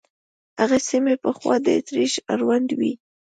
هغه سیمې پخوا د اتریش اړوند وې.